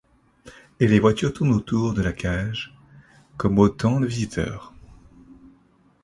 Et les voitures tournent autour de la cage, comme autant de visiteurs.